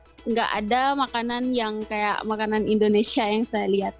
tidak ada makanan yang kayak makanan indonesia yang saya lihat